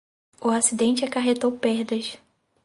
O acidente acarretou perdas